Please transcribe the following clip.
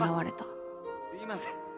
あっすいません